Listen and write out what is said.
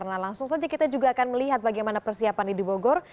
nah langsung saja kita juga akan melihat bagaimana persiapan di bogor